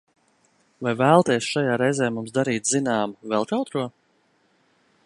Vai vēlaties šajā reizē mums darīt zināmu vēl kaut ko?